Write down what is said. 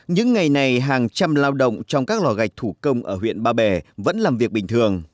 những ngày này hàng trăm lao động trong các lò gạch thủ công ở huyện ba bể vẫn làm việc bình thường